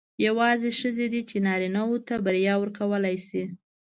یوازې ښځې دي چې نارینه وو ته بریا ورکولای شي.